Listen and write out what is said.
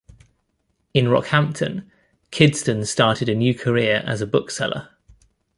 In Rockhampton, Kidston started a new career as a bookseller.